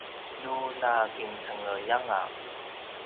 nu nakincengeljanga